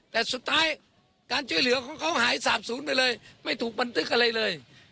แต่สุดท้ายการช่วยเหลือของเขาหายสาบศูนย์ไปเลยไม่ถูกบันทึกอะไรเลย